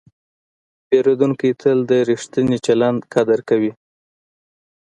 پیرودونکی تل د ریښتیني چلند قدر کوي.